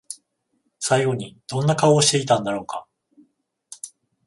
最後にどんな顔をしていたんだろうか？